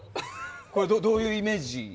これ、どういうイメージ？